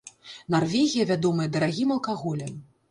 Нарвегія вядомая дарагім алкаголем.